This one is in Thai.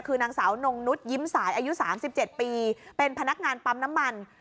คือนางสาวนงนุษยิ้มสายอายุ๓๗ปีเป็นพนักงานปั๊มน้ำมัน